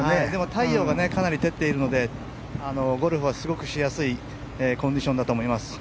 太陽がかなり照っているのでゴルフはすごくしやすいコンディションだと思います。